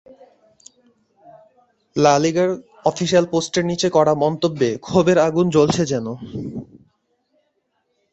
লা লিগার অফিশিয়াল পোস্টের নিচে করা মন্তব্যে ক্ষোভের আগুন জ্বলছে যেন।